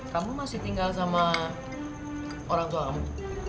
kamu masih tinggal sama orang tuamu